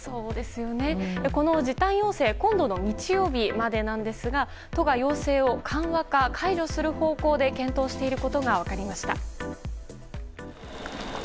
この時短要請、今度の日曜日までなんですが都が要請を緩和か解除する方向で検討していることが分かりました。